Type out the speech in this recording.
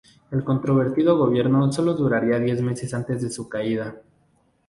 El controvertido gobierno solo duraría diez meses antes de su caída.